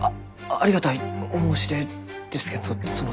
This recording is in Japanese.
ありがたいお申し出ですけんどその。